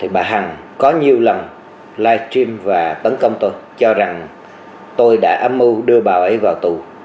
bà hằng có nhiều lần live stream và tấn công tôi cho rằng tôi đã âm mưu đưa bà ấy vào tù